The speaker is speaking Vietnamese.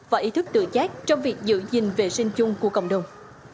và ý thức tự giác trong việc giữ gìn vệ sinh chung của cộng đồng